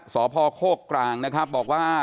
สพโคกกลางนะครับบอกว่า